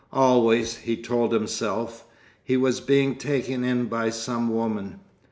Always, he told himself, he was being taken in by some woman.